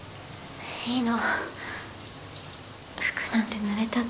いいの服なんてぬれたっていい。